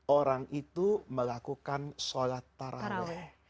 orang itu melakukan sholat taraweh